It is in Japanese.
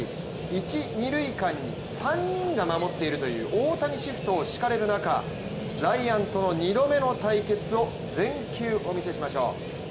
一・二塁間に３人が守っているという大谷シフトを敷かれる中ライアンとの２度目の対決を全球お見せしましょう。